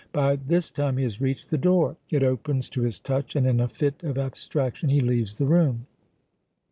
By this time he has reached the door; it opens to his touch, and in a fit of abstraction he leaves the room."